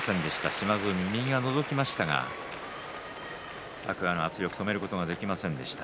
島津海、右がのぞきましたが天空海の圧力を止めることができませんでした。